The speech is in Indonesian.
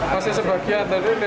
pasti sebagian dari